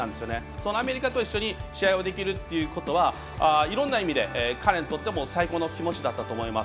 そのアメリカと一緒に試合をできるということはいろんな意味で彼にとっても最高の気持ちだったと思います。